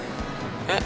☎えっ？